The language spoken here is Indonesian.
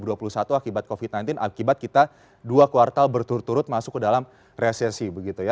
akibat covid sembilan belas akibat kita dua kuartal berturut turut masuk ke dalam resesi begitu ya